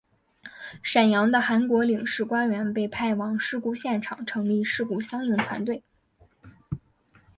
沈阳的韩国领事官员被派往事故现场成立事故相应团队。